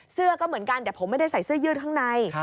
เสื้อก็เหมือนกันแต่ผมไม่ได้ใส่เสื้อยืดข้างใน